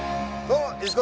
どうも。